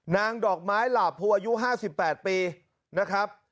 ดอกไม้หลาบภูอายุ๕๘ปีนะครับ